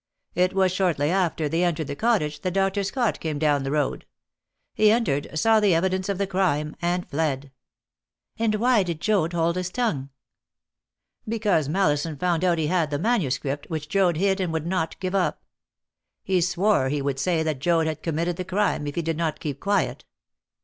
It was shortly after they entered the cottage that Dr. Scott came down the road. He entered, saw the evidence of the crime, and fled." "And why did Joad hold his tongue?" "Because Mallison found out he had the manuscript, which Joad hid and would not give up. He swore he would say that Joad had committed the crime if he did not keep quiet.